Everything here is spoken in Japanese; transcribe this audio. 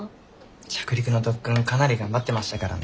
着陸の特訓かなり頑張ってましたからね。